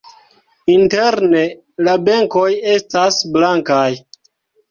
Interne la benkoj estas blankaj.